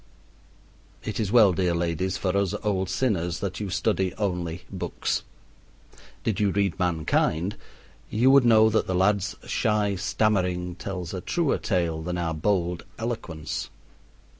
It is well, dear ladies, for us old sinners that you study only books. Did you read mankind, you would know that the lad's shy stammering tells a truer tale than our bold eloquence.